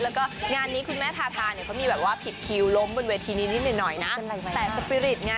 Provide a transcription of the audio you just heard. และงานนี้คุณแม่ทาทาเนี่ยเขามีแบบว่าผิดคิวล้มบนเวทีนี้นิดหน่อยนะ